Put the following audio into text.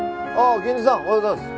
源治さんおはようございます。